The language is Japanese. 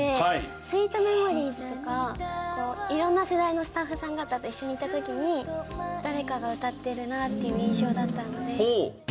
『ＳＷＥＥＴＭＥＭＯＲＩＥＳ』とか色んな世代のスタッフさん方と一緒にいた時に誰かが歌ってるなっていう印象だったので。